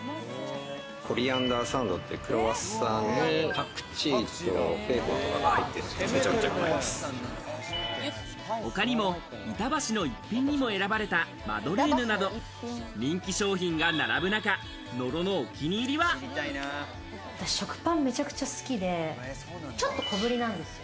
コリアンダーサンドというクロワッサンにパクチーとベーコンとかが入っててめちゃくちゃうま他にも板橋のいっぴんにも選ばれたマドレーヌなど、人気商品が並ぶ中、食パンがめちゃくちゃ好きで、ちょっと小ぶりなんですよ。